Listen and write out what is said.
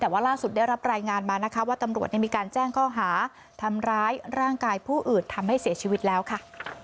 ว่าตำรวจมีการแจ้งข้อหาทำร้ายร่างกายผู้อื่นทำให้เสียชีวิตแล้วค่ะ